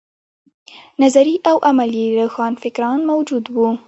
نظري او عملي روښانفکران موجود وو.